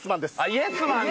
イエスマンか！